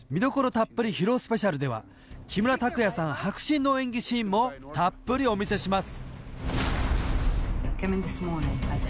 たっぷり披露ＳＰ』では木村拓哉さん迫真の演技シーンもたっぷりお見せします